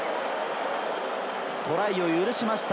トライを許しました。